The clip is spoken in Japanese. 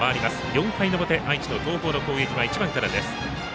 ４回の表、愛知の東邦の攻撃は１番からです。